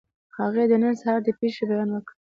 هغې د نن سهار د پېښې بیان وکړ